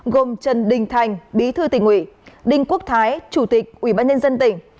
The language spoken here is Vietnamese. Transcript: gồm trần đinh thành bí thư tình nguyễn đinh quốc thái chủ tịch ubnd tỉnh